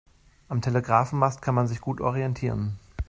Am Telegrafenmast kann man sich gut orientieren.